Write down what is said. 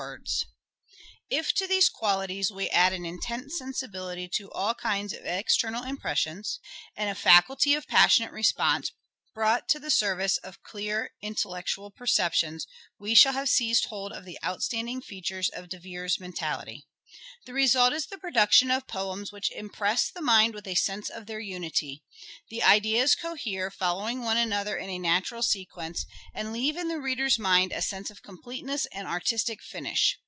EDWARD DE VERE AS LYRIC POET 163 If to these qualities we add an intense sensibility to all kinds of external impressions, and a faculty of passionate response, brought to the service of clear, intellectual perceptions, we shall have seized hold of the outstanding features of De Vere's mentality. The result is the production of poems which impress the mind with a sense of their unity. The ideas cohere, following one another in a natural sequence, and leave in the reader's mind a sense of completeness and artistic finish.